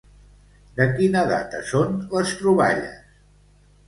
De quina data són les troballes?